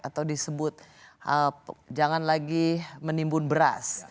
atau disebut jangan lagi menimbun beras